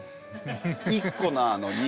１個なのに。